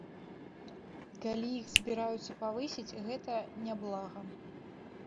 І калі іх збіраюцца павысіць, гэта няблага.